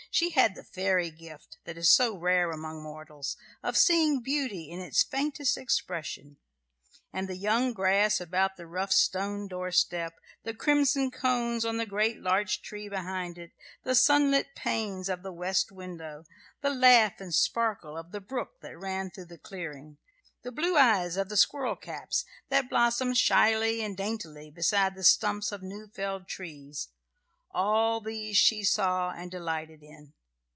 She had the fairy gift, that is so rare among mortals, of seeing beauty in its faintest expression; and the young grass about the rough stone doorstep, the crimson cones on the great larch tree behind it, the sunlit panes of the west window, the laugh and sparkle of the brook that ran through the clearing, the blue eyes of the squirrel caps that blossomed shyly and daintily beside the stumps of new felled trees all these she saw and delighted in.